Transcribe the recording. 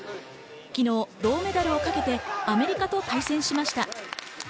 昨日、銅メダルをかけて、アメリカと対戦しました。